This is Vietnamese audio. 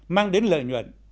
mang đến lợi nhuận